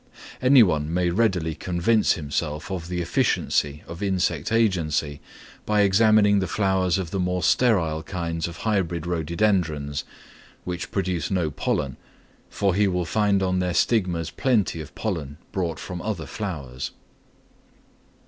Any one may readily convince himself of the efficiency of insect agency by examining the flowers of the more sterile kinds of hybrid Rhododendrons, which produce no pollen, for he will find on their stigmas plenty of pollen brought from other flowers.